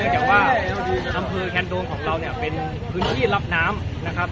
จากว่าอำเภอแคนโดงของเราเนี่ยเป็นพื้นที่รับน้ำนะครับ